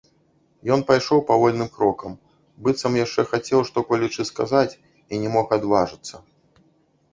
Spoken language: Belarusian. Ён пайшоў павольным крокам, быццам яшчэ хацеў што-колечы сказаць і не мог адважыцца.